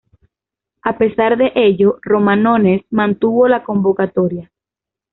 A pesar de ello Romanones mantuvo la convocatoria.